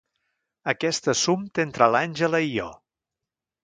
Aquest assumpte entre l'Angela i jo.